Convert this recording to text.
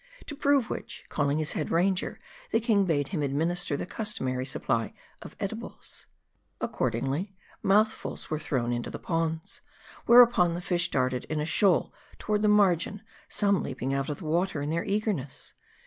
To prove which, calling his Head Ranger, the king bade him administer the customary supply of edibles. Accordingly, mouthfuls were thrown into the ponds. Whereupon, the fish darted in a shoal toward the margin ; some leaping out of the water in their eagerness.